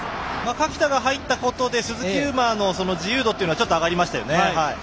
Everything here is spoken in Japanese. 垣田が入ったことで鈴木優磨の自由度が上がりましたね。